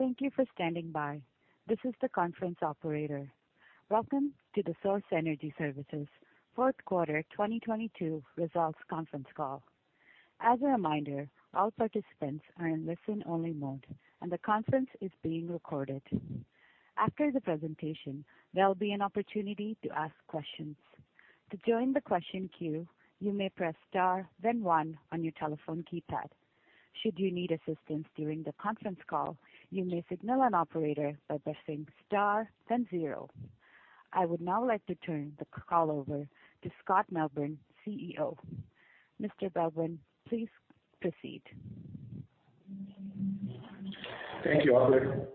Thank you for standing by. This is the conference operator. Welcome to the Source Energy Services fourth quarter 2022 results conference call. As a reminder, all participants are in listen only mode, and the conference is being recorded. After the presentation, there'll be an opportunity to ask questions. To join the question queue, you may press star then one on your telephone keypad. Should you need assistance during the conference call, you may signal an operator by pressing star then zero. I would now like to turn the call over to Scott Melbourn, CEO. Mr. Melbourn, please proceed. Thank you, operator.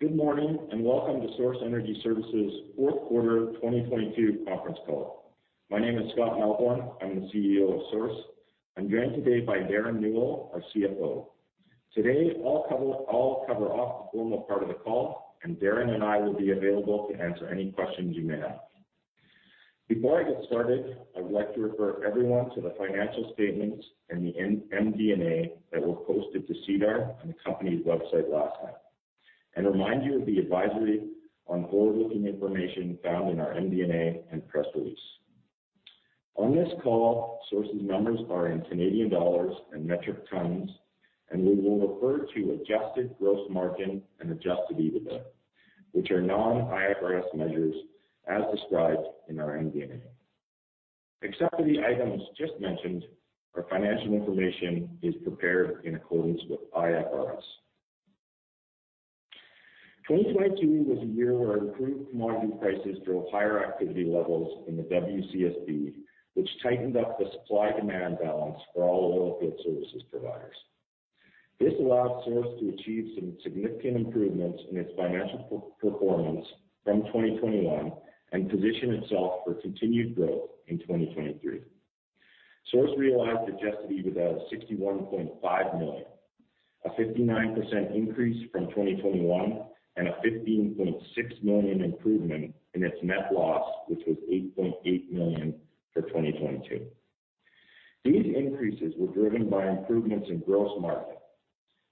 Good morning. Welcome to Source Energy Services fourth quarter 2022 conference call. My name is Scott Melbourn. I'm the CEO of Source. I'm joined today by Derren Newell, our CFO. Today I'll cover off the formal part of the call, and Darren and I will be available to answer any questions you may have. Before I get started, I would like to refer everyone to the financial statements and the MD&A that were posted to SEDAR on the company's website last night, and remind you of the advisory on forward-looking information found in our MD&A and press release. On this call, Source's numbers are in Canadian dollars and metric tons, and we will refer to adjusted gross margin and Adjusted EBITDA, which are non-IFRS measures as described in our MD&A. Except for the items just mentioned, our financial information is prepared in accordance with IFRS. 2022 was a year where improved commodity prices drove higher activity levels in the WCSB, which tightened up the supply demand balance for all oilfield services providers. This allowed Source to achieve some significant improvements in its financial performance from 2021 and position itself for continued growth in 2023. Source realized Adjusted EBITDA of 61.5 million, a 59% increase from 2021 and a 15.6 million improvement in its net loss, which was 8.8 million for 2022. These increases were driven by improvements in gross margin.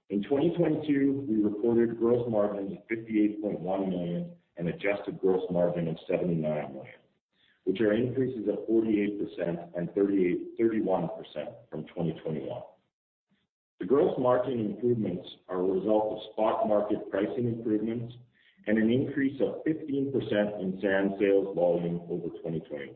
In 2022, we reported gross margin of 58.1 million and adjusted gross margin of 79 million, which are increases of 48% and 31% from 2021. The gross margin improvements are a result of spot market pricing improvements and an increase of 15% in sand sales volume over 2021.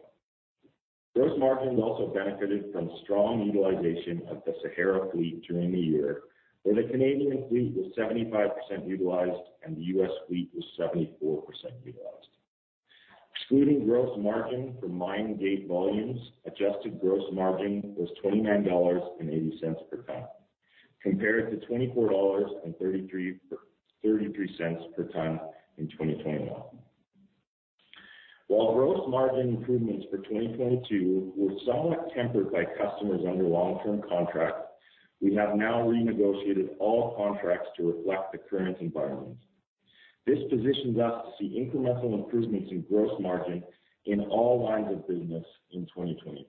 Gross margin also benefited from strong utilization of the Sahara fleet during the year, where the Canadian fleet was 75% utilized and the US fleet was 74% utilized. Excluding gross margin from mine gate volumes, adjusted gross margin was 29.80 dollars per ton, compared to 24.33 dollars cents per ton in 2021. While gross margin improvements for 2022 were somewhat tempered by customers under long-term contract, we have now renegotiated all contracts to reflect the current environment. This positions us to see incremental improvements in gross margin in all lines of business in 2023.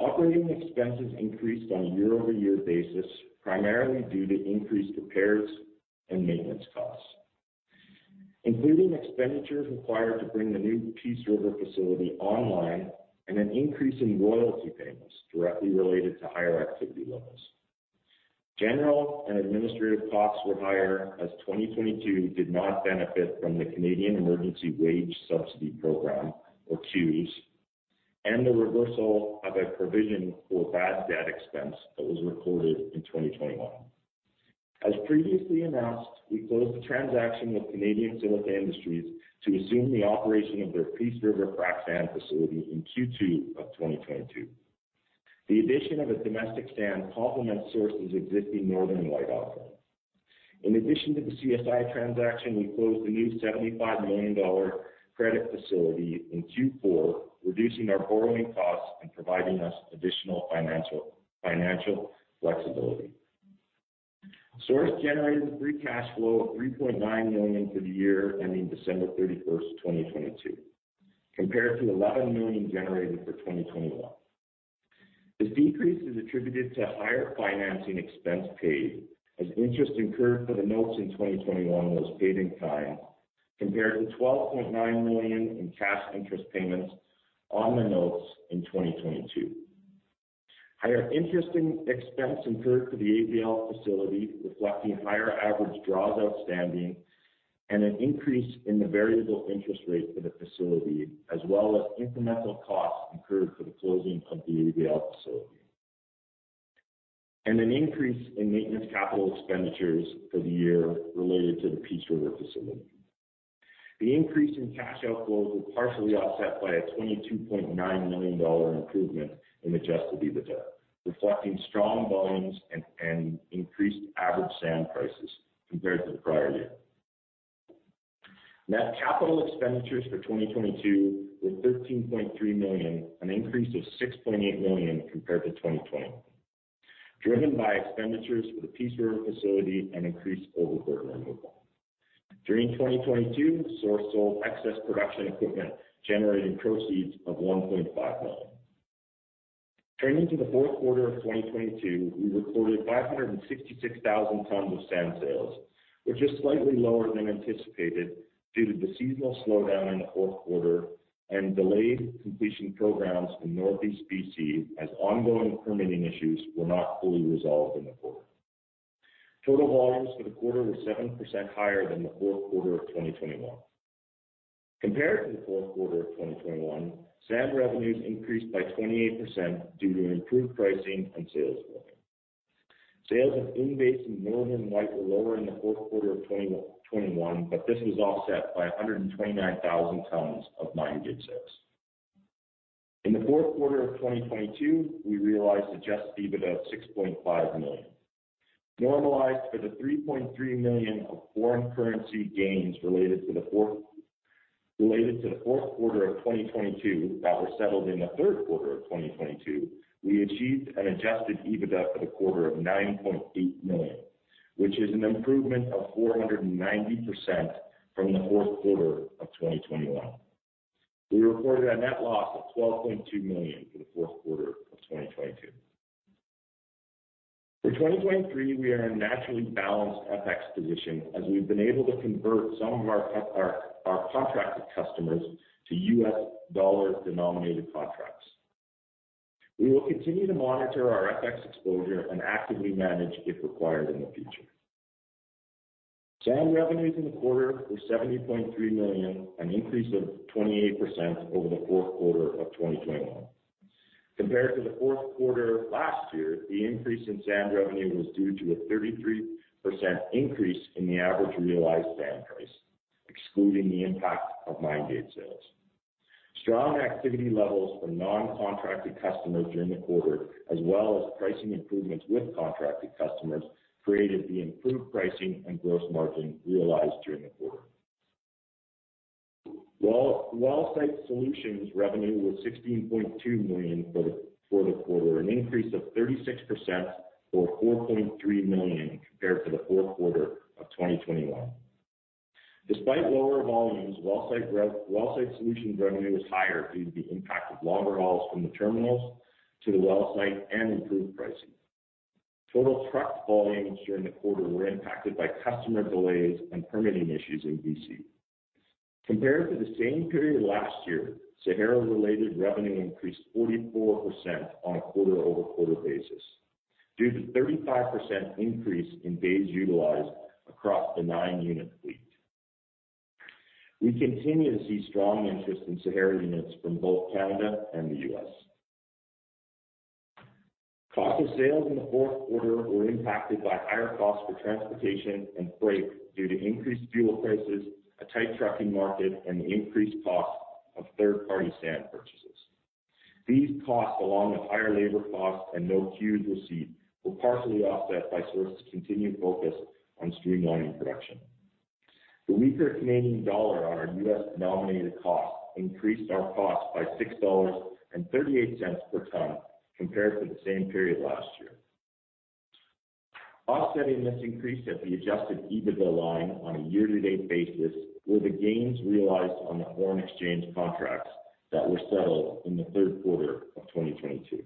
Operating expenses increased on a year-over-year basis, primarily due to increased repairs and maintenance costs, including expenditures required to bring the new Peace River facility online, and an increase in royalty payments directly related to higher activity levels. General and administrative costs were higher as 2022 did not benefit from the Canada Emergency Wage Subsidy Program, or CEWS, and the reversal of a provision for bad debt expense that was recorded in 2021. As previously announced, we closed the transaction with Canadian Silica Industries to assume the operation of their Peace River frac sand facility in Q2 of 2022. The addition of a domestic sand complements Source's existing Northern White offering. In addition to the CSI transaction, we closed a new 75 million dollar credit facility in Q4, reducing our borrowing costs and providing us additional financial flexibility. Source generated free cash flow of 3.9 million for the year ending December 31st, 2022, compared to 11 million generated for 2021. This decrease is attributed to higher financing expense paid, as interest incurred for the notes in 2021 was paid in kind, compared to 12.9 million in cash interest payments on the notes in 2022. Higher interest expense incurred for the ABL facility, reflecting higher average draws outstanding and an increase in the variable interest rate for the facility, as well as incremental costs incurred for the closing of the ABL facility, and an increase in maintenance capital expenditures for the year related to the Peace River facility. The increase in cash outflows was partially offset by a 22.9 million dollar improvement in Adjusted EBITDA, reflecting strong volumes and increased average sand prices compared to the prior year. Net capital expenditures for 2022 were 13.3 million, an increase of 6.8 million compared to 2020, driven by expenditures for the Peace River facility and increased oil removal. During 2022, Source sold excess production equipment, generating proceeds of 1.5 million. Turning to Q4 2022, we recorded 566,000 tons of sand sales, which is slightly lower than anticipated due to the seasonal slowdown in Q4 and delayed completion programs in Northeast BC, as ongoing permitting issues were not fully resolved in the quarter. Total volumes for the quarter were 7% higher than Q4 2021. Compared to Q4 2021, sand revenues increased by 28% due to improved pricing and sales volume. Sales of in-basin Northern White were lower in the fourth quarter of 2021. This was offset by 129,000 tons of mine gate 6. In the fourth quarter of 2022, we realized Adjusted EBITDA of 6.5 million. Normalized for the 3.3 million of foreign currency gains related to the fourth quarter of 2022 that were settled in the third quarter of 2022, we achieved an Adjusted EBITDA for the quarter of 9.8 million, which is an improvement of 490% from the fourth quarter of 2021. We reported a net loss of 12.2 million for the fourth quarter of 2022. For 2023, we are in a naturally balanced FX position as we've been able to convert some of our contracted customers to U.S. dollar-denominated contracts. We will continue to monitor our FX exposure and actively manage if required in the future. Sand revenues in the quarter were 70.3 million, an increase of 28% over the fourth quarter of 2021. Compared to the fourth quarter last year, the increase in sand revenue was due to a 33% increase in the average realized sand price, excluding the impact of mine gate sales. Strong activity levels for non-contracted customers during the quarter, as well as pricing improvements with contracted customers, created the improved pricing and gross margin realized during the quarter. wellsite solutions revenue was 16.2 million for the quarter, an increase of 36% or 4.3 million compared to the Q4 2021. Despite lower volumes, wellsite solutions revenue was higher due to the impact of longer hauls from the terminals to the well site and improved pricing. Total trucked volumes during the quarter were impacted by customer delays and permitting issues in BC. Compared to the same period last year, Sahara-related revenue increased 44% on a quarter-over-quarter basis due to 35% increase in days utilized across the nine-unit fleet. We continue to see strong interest in Sahara units from both Canada and the U.S. Cost of sales in the fourth quarter were impacted by higher costs for transportation and freight due to increased fuel prices, a tight trucking market, and the increased cost of third-party sand purchases. These costs, along with higher labor costs and no QS received, were partially offset by Source's continued focus on streamlining production. The weaker Canadian dollar on our USD-denominated costs increased our cost by 6.38 dollars per ton compared to the same period last year. Offsetting this increase at the Adjusted EBITDA line on a year-to-date basis were the gains realized on the foreign exchange contracts that were settled in the third quarter of 2022.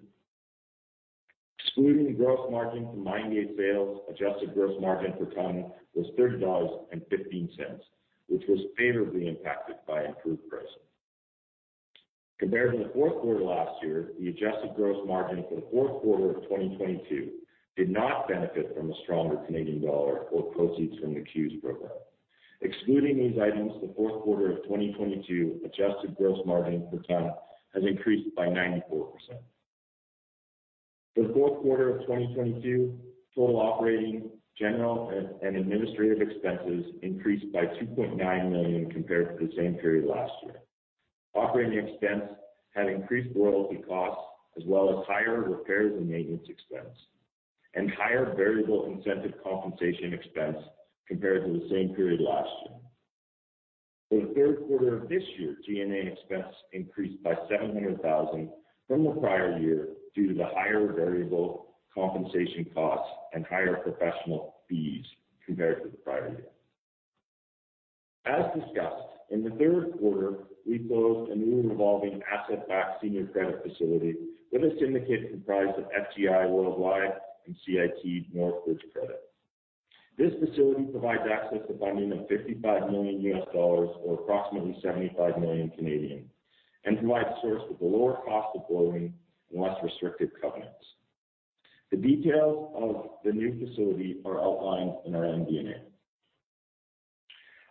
Excluding gross margin from mine gate sales, adjusted gross margin per ton was 30.15 dollars, which was favorably impacted by improved pricing. Compared to the fourth quarter last year, the adjusted gross margin for the fourth quarter of 2022 did not benefit from a stronger Canadian dollar or proceeds from the QS program. Excluding these items, the fourth quarter of 2022 adjusted gross margin per ton has increased by 94%. For the fourth quarter of 2022, total operating, general and administrative expenses increased by 2.9 million compared to the same period last year. Operating expense had increased royalty costs as well as higher repairs and maintenance expense and higher variable incentive compensation expense compared to the same period last year. In the third quarter of this year, G&A expense increased by 700,000 from the prior year due to the higher variable compensation costs and higher professional fees compared to the prior year. Discussed, in the 3rd quarter, we closed a new revolving asset-backed senior credit facility with a syndicate comprised of FGI Worldwide and CIT Northbridge Credit. This facility provides access to funding of $55 million or approximately 75 million and provides Source with a lower cost of borrowing and less restrictive covenants. The details of the new facility are outlined in our MD&A.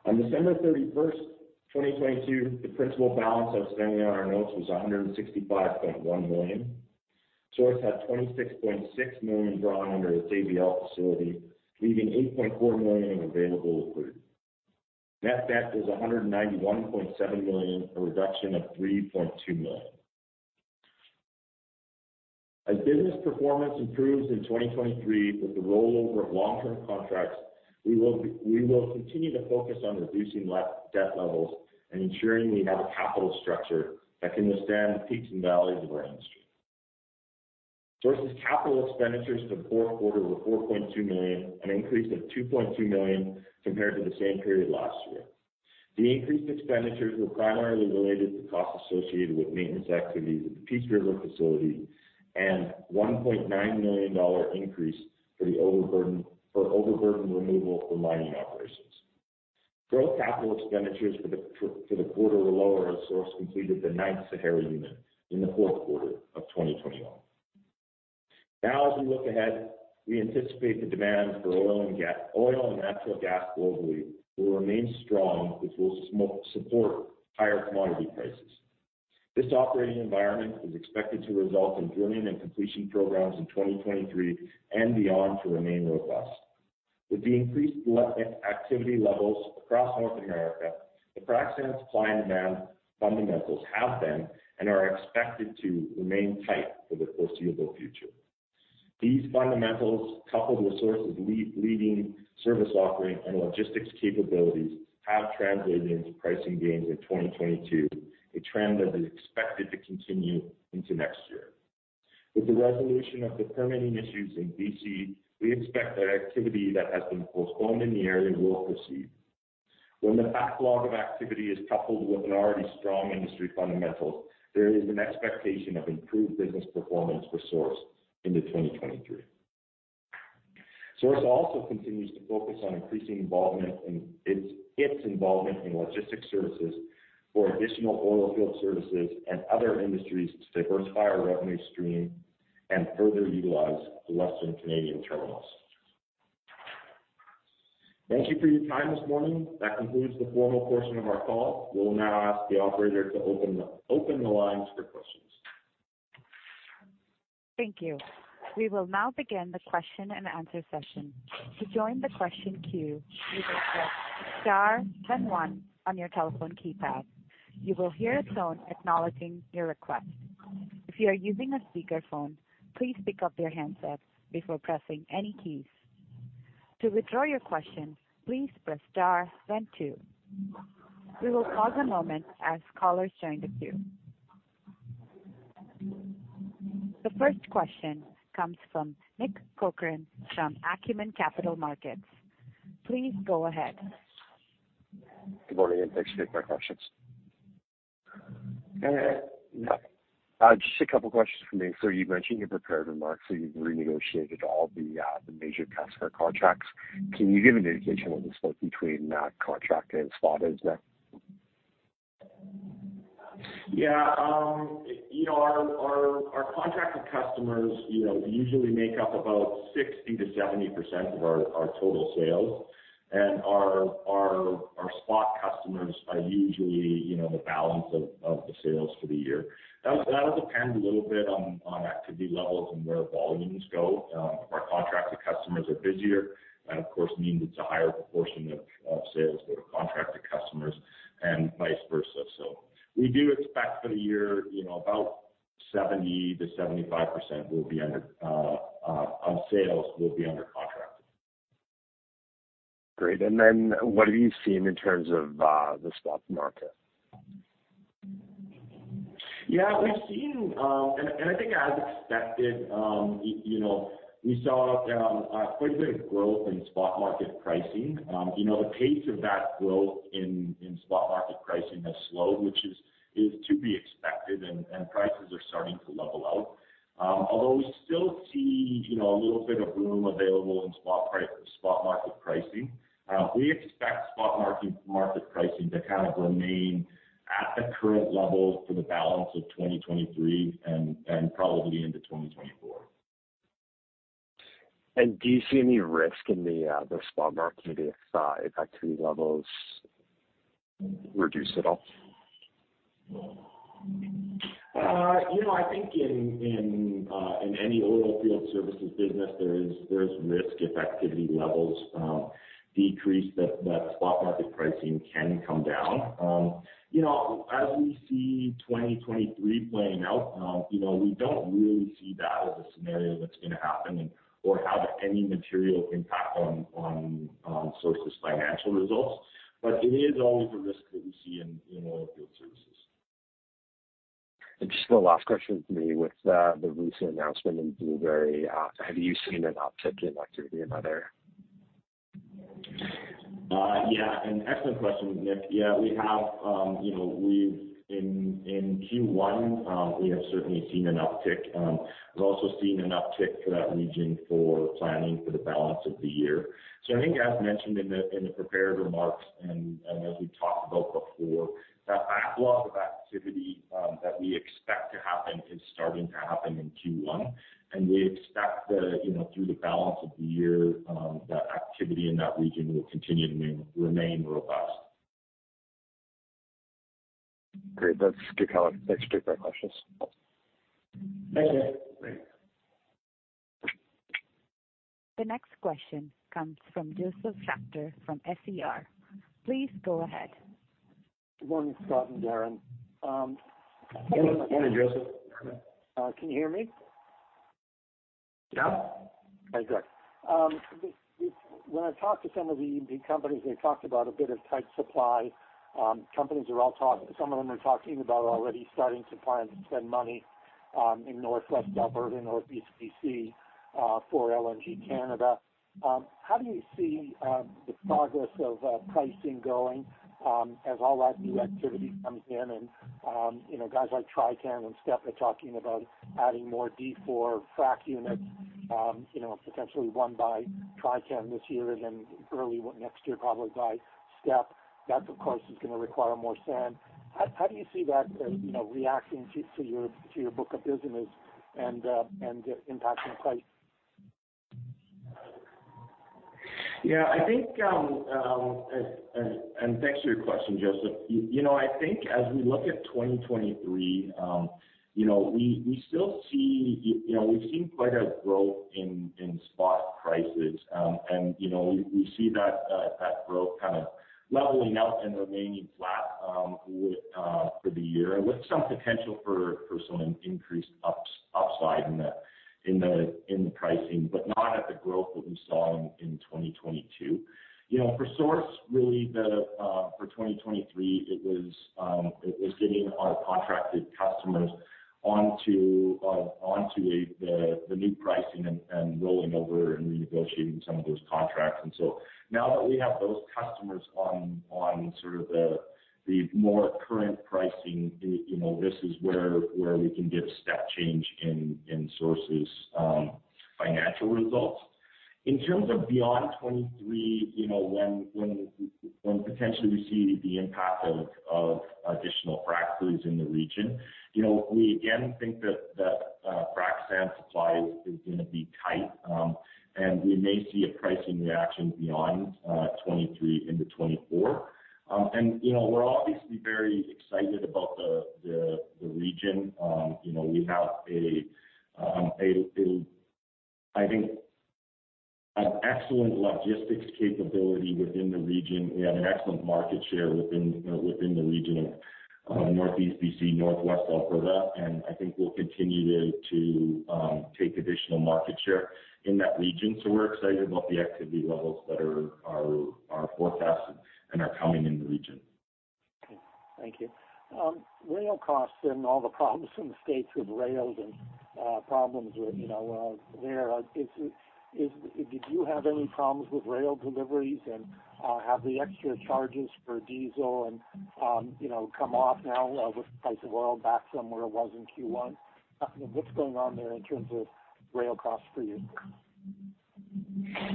On December 31st, 2022, the principal balance outstanding on our notes was 165.1 million. Source had $26.6 million drawn under its ABL facility, leaving $8.4 million available for drew. Net debt was 191.7 million, a reduction of 3.2 million. As business performance improves in 2023 with the rollover of long-term contracts, we will continue to focus on reducing debt levels and ensuring we have a capital structure that can withstand the peaks and valleys of our industry. Source's capital expenditures for the fourth quarter were 4.2 million, an increase of 2.2 million compared to the same period last year. The increased expenditures were primarily related to costs associated with maintenance activities at the Peace River facility and 1.9 million dollar increase for overburden removal from mining operations. Growth capital expenditures for the quarter were lower as Source completed the ninth Sahara unit in the fourth quarter of 2021. Now, as we look ahead, we anticipate the demand for oil and natural gas globally will remain strong, which will support higher commodity prices. This operating environment is expected to result in drilling and completion programs in 2023 and beyond to remain robust. With the increased activity levels across North America, the frac sand supply and demand fundamentals have been and are expected to remain tight for the foreseeable future. These fundamentals, coupled with Source's leading service offering and logistics capabilities, have translated into pricing gains in 2022, a trend that is expected to continue into next year. With the resolution of the permitting issues in BC, we expect that activity that has been postponed in the area will proceed. When the backlog of activity is coupled with an already strong industry fundamentals, there is an expectation of improved business performance for Source into 2023. Source also continues to focus on increasing its involvement in logistics services for additional oilfield services and other industries to diversify our revenue stream and further utilize the Western Canadian terminals. Thank you for your time this morning. That concludes the formal portion of our call. We'll now ask the operator to open the lines for questions. Thank you. We will now begin the question and answer session. To join the question queue, you can press star then one on your telephone keypad. You will hear a tone acknowledging your request. If you are using a speakerphone, please pick up your handset before pressing any keys. To withdraw your question, please press star then two. We will pause a moment as callers join the queue. The first question comes from Nick Corcoran from Acumen Capital. Please go ahead. Good morning, and thanks for taking my questions. Just a couple questions for me. You've mentioned your prepared remarks, so you've renegotiated all the major customer contracts. Can you give an indication what the split between that contract and spot is there? Yeah. You know, our contracted customers, you know, usually make up about 60%-70% of our total sales. Our spot customers are usually, you know, the balance of the sales for the year. That'll depend a little bit on activity levels and where volumes go. Our contracted customers are busier. That, of course, means it's a higher proportion of sales go to contracted customers and vice versa. We do expect for the year, you know, about 70%-75% will be under on sales will be under contract. Great. Then what have you seen in terms of the spot market? We've seen, and I think as expected, you know, we saw quite a bit of growth in spot market pricing. You know, the pace of that growth in spot market pricing has slowed, which is to be expected and prices are starting to level out. We still see, you know, a little bit of room available in spot market pricing, we expect spot market pricing to kind of remain at the current levels for the balance of 2023 and probably into 2024. Do you see any risk in the spot market if activity levels reduce at all? you know, I think in any oilfield services business, there is risk if activity levels decrease that spot market pricing can come down. you know, as we see 2023 playing out, you know, we don't really see that as a scenario that's gonna happen and or have any material impact on Source's financial results. It is always a risk that we see in oilfield services. Just one last question for me. With the recent announcement in Blueberry, have you seen an uptick in activity in either? Yeah. An excellent question, Nick. Yeah, we have. you know, we've in Q1, we have certainly seen an uptick. We've also seen an uptick for that region for planning for the balance of the year. I think as mentioned in the prepared remarks and as we talked about before, that backlog of activity that we expect to happen is starting to happen in Q1. We expect the, you know, through the balance of the year, that activity in that region will continue to remain robust. Great. That's good color. Thanks for taking our questions. Thank you. The next question comes from Josef Schachter from SER. Please go ahead. Good morning, Scott and Darren. Morning, Josef. Can you hear me? Yeah. Very good. When I talked to some of the companies, they talked about a bit of tight supply. Some of them are talking about already starting to plan to spend money in Northwest Alberta, Northeast BC for LNG Canada. How do you see the progress of pricing going as all that new activity comes in and, you know, guys like Trican and STEP are talking about adding more Tier 4 frac units, you know, potentially one by Trican this year and then early next year, probably by STEP. That, of course, is gonna require more sand. How do you see that, you know, reacting to your book of business and impacting price? Thanks for your question, Josef. You know, I think as we look at 2023, you know, we still see, you know, we've seen quite a growth in spot prices. You know, we see that growth kind of leveling out and remaining flat for the year, with some potential for some increased upside in the pricing, but not at the growth that we saw in 2022. You know, for Source, really the for 2023, it was getting our contracted customers onto a the new pricing and rolling over and renegotiating some of those contracts. Now that we have those customers on the more current pricing, you know, this is where we can get step change in Source's financial results. In terms of beyond 2023, you know, when potentially we see the impact of additional frac fleets in the region, you know, we again think that frac sand supply is gonna be tight, and we may see a pricing reaction beyond 2023 into 2024. You know, we're obviously very excited about the region. You know, we have a, I think an excellent logistics capability within the region. We have an excellent market share within the region of Northeast BC, Northwest Alberta, and I think we'll continue to take additional market share in that region. We're excited about the activity levels that are forecasted and are coming in the region. Okay. Thank you. Rail costs and all the problems in the States with rails and problems with, you know, did you have any problems with rail deliveries? Have the extra charges for diesel and, you know, come off now with the price of oil back from where it was in Q1? I mean, what's going on there in terms of rail costs for you?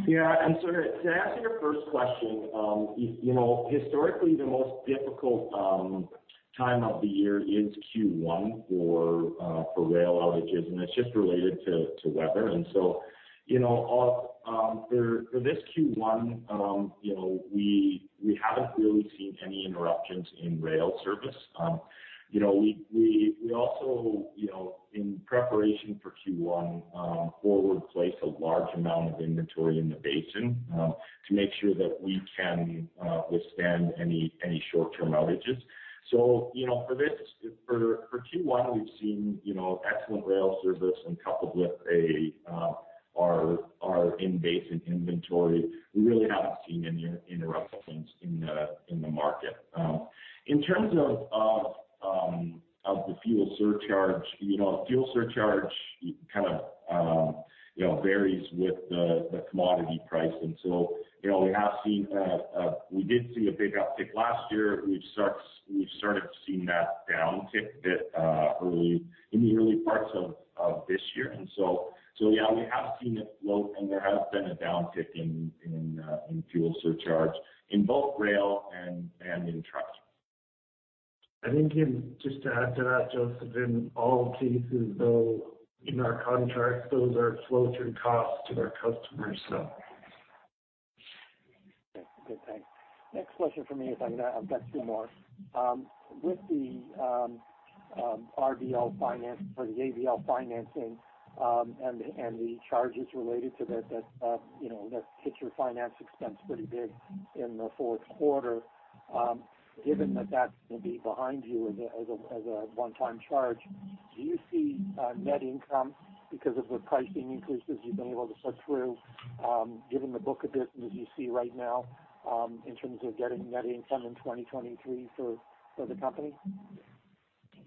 Yeah. To answer your first question, you know, historically, the most difficult time of the year is Q1 for rail outages, and it's just related to weather. You know, for this Q1, you know, we haven't really seen any interruptions in rail service. You know, we also, you know, in preparation for Q1, forward placed a large amount of inventory in the basin to make sure that we can withstand any short-term outages. You know, for this Q1, we've seen, you know, excellent rail service and coupled with our in-basin inventory. We really haven't seen any interruptions in the market. In terms of the fuel surcharge, you know, fuel surcharge kind of, you know, varies with the commodity price. You know, we have seen, we did see a big uptick last year. We've sort of seen that down tick bit, early in the early parts of this year. Yeah, we have seen it low, and there has been a downtick in fuel surcharge in both rail and in trucks. I think, just to add to that, Josef, in all cases, though, in our contracts, those are flow-through costs to our customers, so. Okay. Good, thanks. Next question for me is, I've got two more. With the RDL finance or the ABL financing, and the charges related to that, you know, that hit your finance expense pretty big in the fourth quarter, given that that will be behind you as a one-time charge, do you see net income because of the pricing increases you've been able to push through, given the book of business you see right now, in terms of getting net income in 2023 for the company?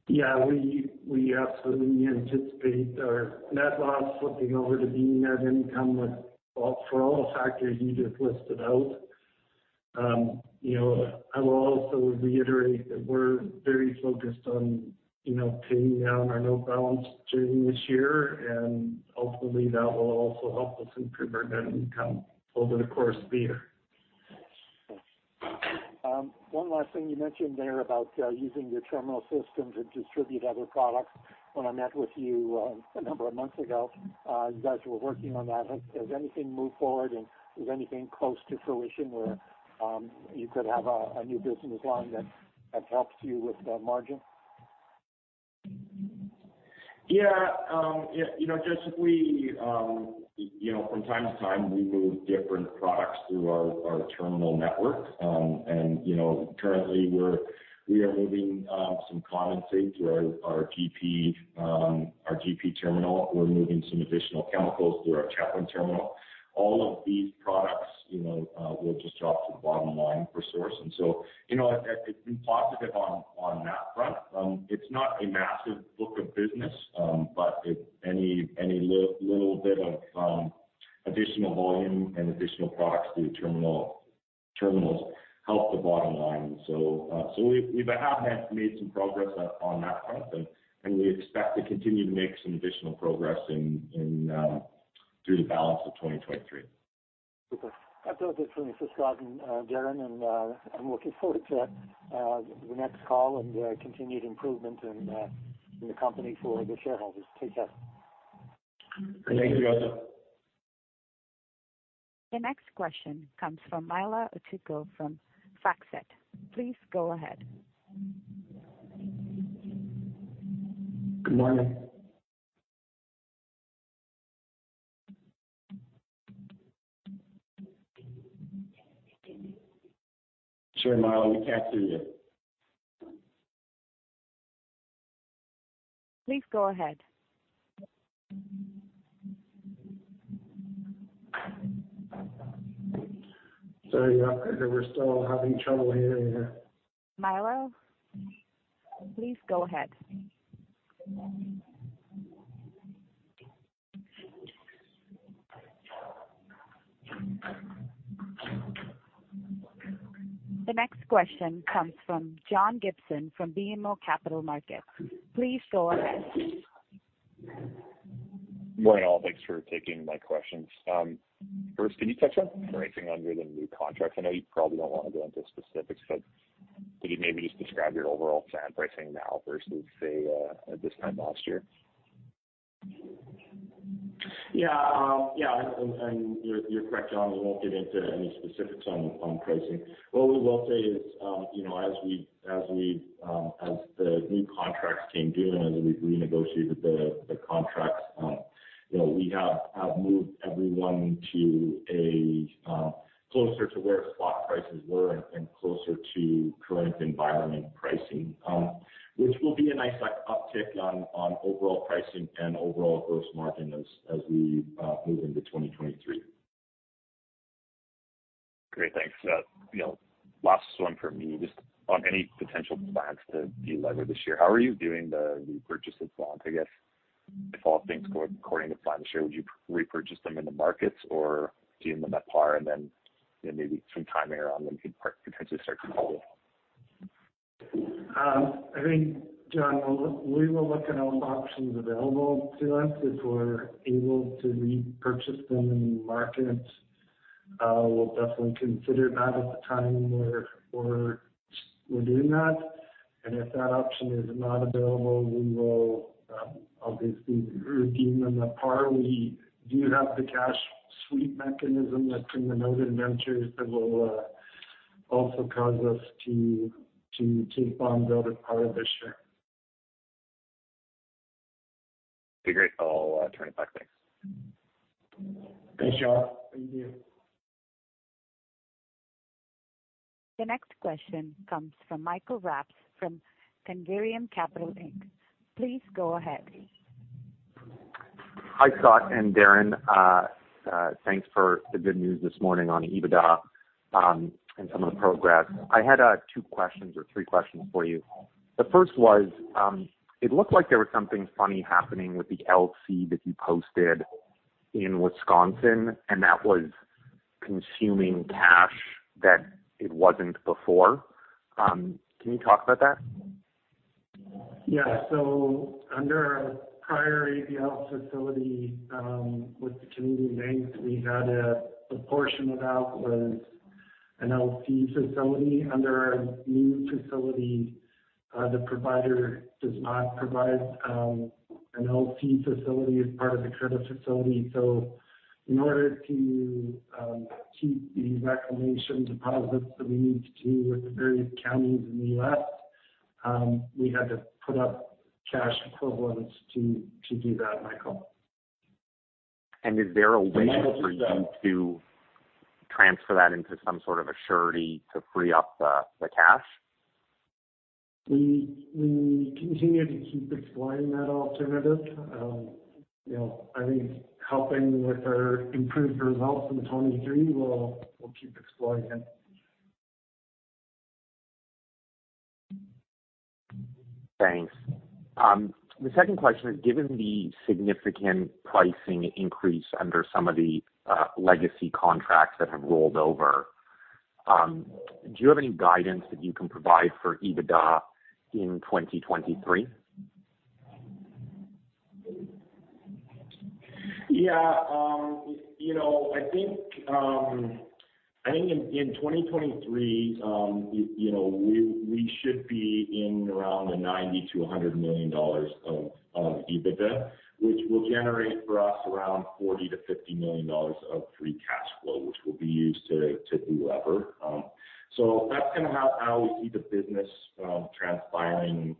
We absolutely anticipate our net loss flipping over to being net income for all the factors you just listed out. You know, I will also reiterate that we're very focused on, you know, paying down our note balance during this year, and ultimately, that will also help us improve our net income over the course of the year. One last thing you mentioned there about using your terminal systems to distribute other products. When I met with you, a number of months ago, you guys were working on that. Has anything moved forward, and is anything close to fruition where you could have a new business line that helps you with the margin? Yeah. Yeah, you know, just we, you know, from time to time, we move different products through our terminal network. You know, currently we're, we are moving, some condensate through our GP, our GP terminal. We're moving some additional chemicals through our Chetwynd terminal. All of these products, you know, will just drop to the bottom line for Source. You know, it's been positive on that front. It's not a massive book of business. Any little bit of additional volume and additional products through terminals help the bottom line. We have made some progress on that front. We expect to continue to make some additional progress in, through the balance of 2023. Super. That's all good for me for Scott and Darren. I'm looking forward to the next call and continued improvement in the company for the shareholders. Take care. Thank you. Thank you. Also. The next question comes from Milo Uthiko from FactSet. Please go ahead. Good morning. Sorry, Milo, we can't hear you. Please go ahead. Sorry about that. We're still having trouble hearing you. Milo, please go ahead. The next question comes from John Gibson from BMO Capital Markets. Please go ahead. Morning all. Thanks for taking my questions. First, can you touch on pricing under the new contracts? I know you probably don't wanna go into specifics, but could you maybe just describe your overall sand pricing now versus, say, this time last year? Yeah. You're correct, John. We won't get into any specifics on pricing. What we will say is, you know, as we, as the new contracts came due and as we renegotiated the contracts, you know, we have moved everyone to a closer to where spot prices were and closer to current environment pricing, which will be a nice like uptick on overall pricing and overall gross margin as we move into 2023. Great. Thanks. You know, last one for me, just on any potential plans to delever this year, how are you doing the repurchased bonds? I guess if all things go according to plan this year, would you repurchase them in the markets or deem them at par and then, you know, maybe some time around them could par potentially start to fall? I think, John, we will look at all options available to us. If we're able to repurchase them in the markets, we'll definitely consider that at the time where we're doing that. If that option is not available, we will obviously redeem them at par. We do have the cash sweep mechanism that's in the note indenture that will also cause us to bond out as part of this year. Be great. I'll turn it back. Thanks. Thanks, John. Thank you. The next question comes from Michael Rapps from Tangerine Capital Inc. Please go ahead. Hi, Scott and Darren. Thanks for the good news this morning on EBITDA and some of the progress. I had two questions or three questions for you. The first was, it looked like there was something funny happening with the LC that you posted in Wisconsin, and that was consuming cash that it wasn't before. Can you talk about that? Yeah. Under our prior ABL facility, with the community bank, we had a portion of that was an LC facility. Under our new facility, the provider does not provide an LC facility as part of the credit facility. In order to keep the reclamation deposits that we need to do with the various counties in the US, we had to put up cash equivalents to do that, Michael. Is there a way for you to transfer that into some sort of a surety to free up the cash? We continue to keep exploring that alternative. You know, I think helping with our improved results in 2023, we'll keep exploring it. Thanks. The second question is, given the significant pricing increase under some of the legacy contracts that have rolled over, do you have any guidance that you can provide for EBITDA in 2023? Yeah. You know, I think in 2023, you know, we should be in around the 90 million-100 million dollars of EBITDA, which will generate for us around 40 million-50 million dollars of free cash flow, which will be used to do lever. So that's kind of how we see the business transpiring,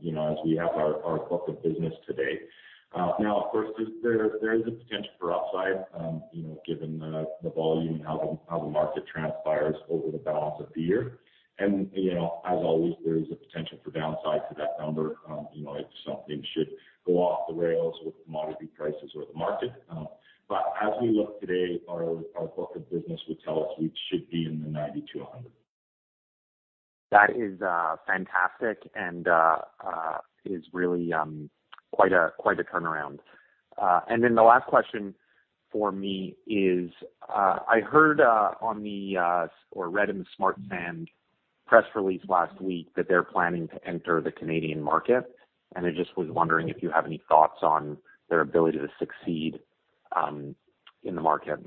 you know, as we have our book of business today. Now, of course, there is a potential for upside, you know, given the volume and how the market transpires over the balance of the year. You know, as always, there is a potential for downside to that number, you know, if something should go off the rails with commodity prices or the market. As we look today, our book of business would tell us we should be in the 90-100. That is fantastic and is really quite a turnaround. Then the last question for me is I heard on the or read in the Smart Sand press release last week that they're planning to enter the Canadian market, and I just was wondering if you have any thoughts on their ability to succeed in the market.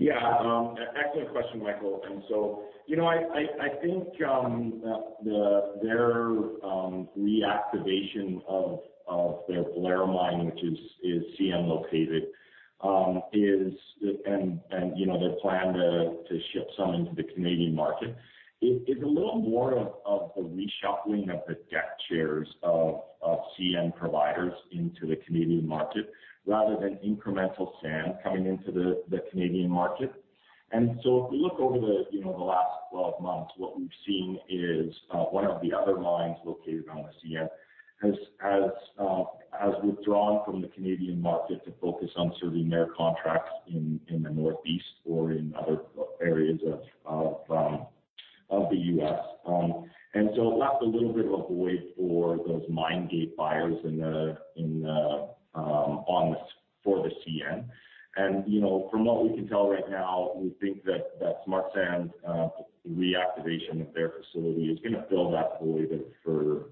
Yeah. Excellent question, Michael. You know, I think their reactivation of their Blair Mine, which is CN located, their plan to ship some into the Canadian market is a little more of a reshuffling of the deck chairs of CN providers into the Canadian market rather than incremental sand coming into the Canadian market. If we look over the, you know, the last 12 months, what we've seen is one of the other mines located on the CN has withdrawn from the Canadian market to focus on serving their contracts in the Northeast or in other areas of the U.S. It left a little bit of a void for those mine gate buyers for the CN. You know, from what we can tell right now, we think that that Smart Sand reactivation of their facility is gonna fill that void for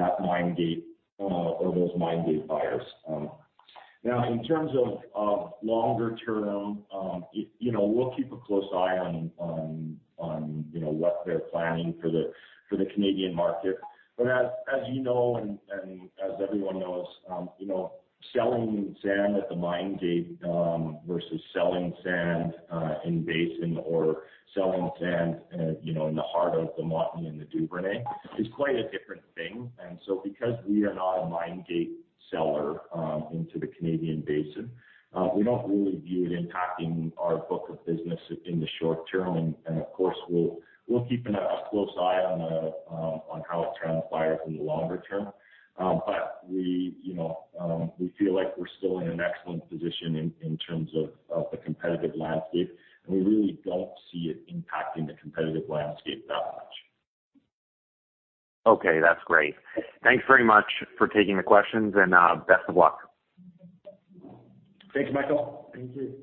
that mine gate or those mine gate buyers. Now in terms of longer term, you know, we'll keep a close eye on, you know, what they're planning for the Canadian market. As you know and as everyone knows, you know, selling sand at the mine gate versus selling sand in basin or selling sand, you know, in the heart of the Montney and the Duvernay is quite a different thing. Because we are not a mine gate seller into the Canadian basin, we don't really view it impacting our book of business in the short term. Of course, we'll keep a close eye on how it transpires in the longer term. We, you know, we feel like we're still in an excellent position in terms of the competitive landscape, and we really don't see it impacting the competitive landscape that much. Okay. That's great. Thanks very much for taking the questions, and best of luck. Thanks, Michael. Thank you.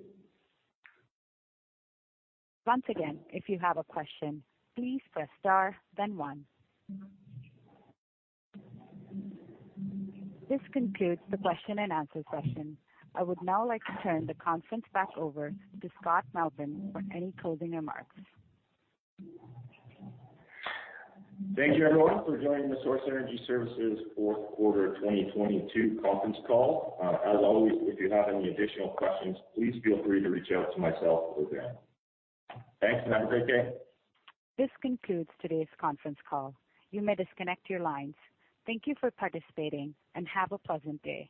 Once again, if you have a question, please press star then one. This concludes the question and answer session. I would now like to turn the conference back over to Scott Melbourn for any closing remarks. Thank you everyone for joining the Source Energy Services fourth quarter 2022 conference call. As always, if you have any additional questions, please feel free to reach out to myself or Dan. Thanks. Have a great day. This concludes today's conference call. You may disconnect your lines. Thank you for participating, and have a pleasant day.